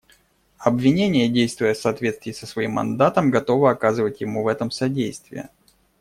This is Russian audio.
Обвинение, действуя в соответствии со своим мандатом, готово оказывать ему в этом содействие.